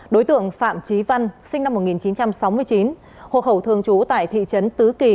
đối tượng phạm trí văn sinh năm một nghìn chín trăm sáu mươi chín hộ khẩu thường trú tại thị trấn tứ kỳ